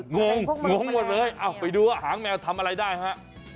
งงงงหมดเลยไปดูหางแมวทำอะไรได้ฮะ